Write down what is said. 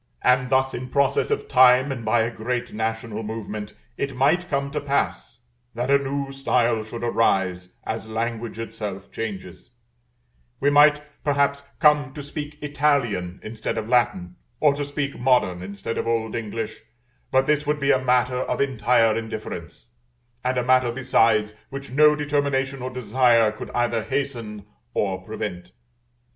And thus in process of time and by a great national movement, it might come to pass, that a new style should arise, as language itself changes; we might perhaps come to speak Italian instead of Latin, or to speak modern instead of old English; but this would be a matter of entire indifference, and a matter, besides, which no determination or desire could either hasten or prevent.